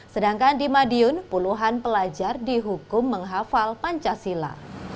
sedangkan di madiun puluhan pelajar dihukum menghafal pancasila